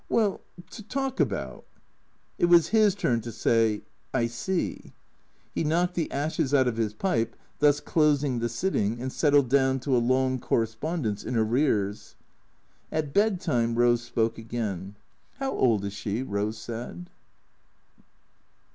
"Well — to talk about." It was his turn to say " I see." He knocked the ashes out of his pipe, thus closing the sitting, and settled down to a long correspondence in arrears. At bed time Eose spoke again. "How old is she?" Eose said.